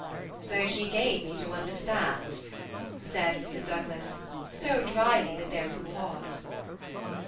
^' So she gave me to understand," said Mrs. Douglas, so dryly that there was a pause.